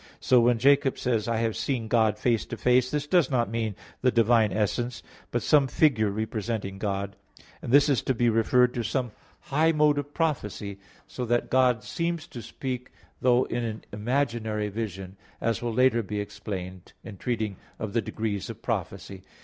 So when Jacob says, "I have seen God face to face," this does not mean the Divine essence, but some figure representing God. And this is to be referred to some high mode of prophecy, so that God seems to speak, though in an imaginary vision; as will later be explained (II II, Q. 174) in treating of the degrees of prophecy.